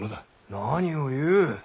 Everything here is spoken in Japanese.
何を言う。